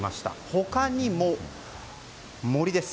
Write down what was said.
他にも、森です。